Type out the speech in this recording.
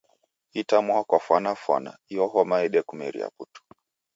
Itamwaa kwafwanafwana iyo homa yedekumeria putu